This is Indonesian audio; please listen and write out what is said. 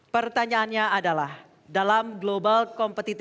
pertanyaannya adalah dalam global competitive